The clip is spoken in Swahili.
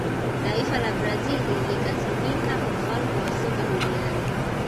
taifa la brazil likasimika ufalme wa soka duniani